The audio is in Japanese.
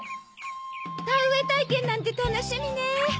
田植え体験なんて楽しみね。